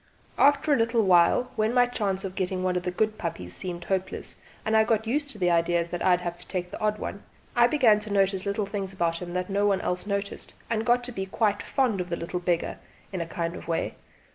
After a little while, when my chance of getting one of the good puppies seemed hopeless and I got used to the idea that I would have to take the odd one, I began to notice little things about him that no one else noticed, and got to be quite fond of the little beggar in a kind of way.